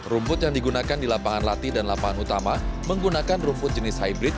rumput yang digunakan di lapangan latih dan lapangan utama menggunakan rumput jenis hybrid